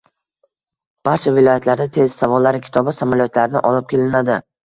Barcha viloyatlarda test savollari kitobi samolyotlarni olib kelinadi